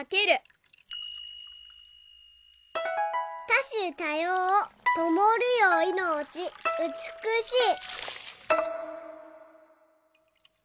「たしゅたようともるよいのちうつくしい」。